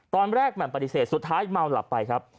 แหม่มปฏิเสธสุดท้ายเมาหลับไปครับ